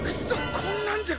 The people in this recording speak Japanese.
こんなんじゃ。